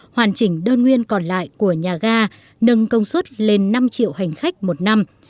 hoàn chỉnh đơn nguyên còn lại của nhà ga nâng công suất lên năm triệu hành khách một năm